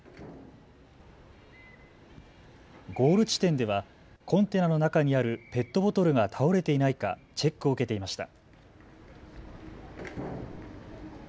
ゴール地点ではコンテナの中にあるペットボトルが倒れていないかチェックを受けていました。